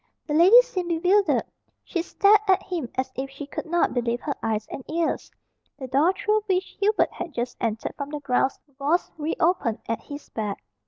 The lady seemed bewildered. She stared at him as if she could not believe her eyes and ears. The door through which Hubert had just entered from the grounds was re opened at his back.